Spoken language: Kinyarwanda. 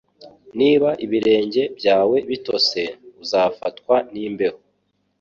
Niba ibirenge byawe bitose, uzafatwa n'imbeho.